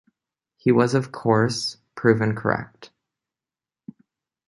He was, of course, proven correct.